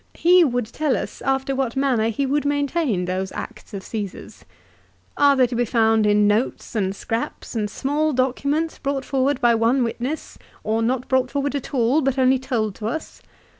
" He would tell us after what manner he would maintain those acts of Caesar's. Are they to be found in notes and scraps and small documents brought forward by one witness, or not brought forward at all but only told to us